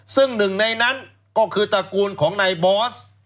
ซึ่งหนึ่งในนั้นก็คือตระกูลของนายบอส